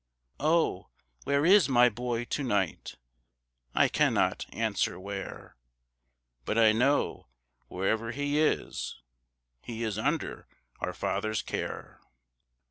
Oh, where is my boy to night? I cannot answer where, But I know, wherever he is, He is under our Father's care.